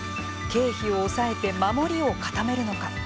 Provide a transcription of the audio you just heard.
経費を抑えて、守りを固めるのか。